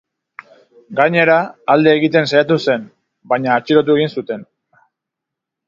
Gainera, alde egiten saiatu zen, baina atxilotu egin zuten.